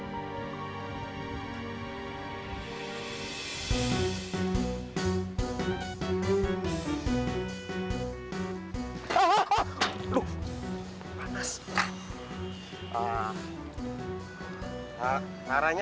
sampai jumpa lagi